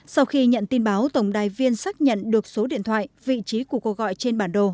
sau khi nhận tin báo tổng đài viên xác nhận được số điện thoại vị trí của cuộc gọi trên bản đồ